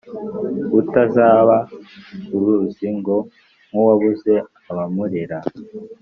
Utazaba uruzingoNk’uwabuze abamurera